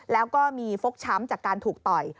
แล้วก็มีฟกช้ำจากการถูกต่อย